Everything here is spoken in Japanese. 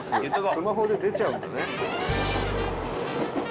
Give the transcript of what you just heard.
スマホで出ちゃうんだね」